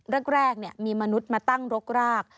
แรกมีมนุษย์มาตั้งรกราก